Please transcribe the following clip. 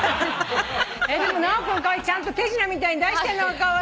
でも直君ちゃんと手品みたいに出してんのがカワイイ。